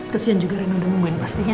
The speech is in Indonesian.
kesian juga rena udah nungguin pastinya